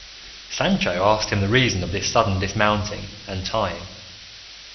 Sancho asked him the reason of this sudden dismounting and tying.